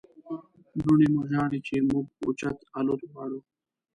لوڼې مو ژاړي چې موږ اوچت الوت غواړو.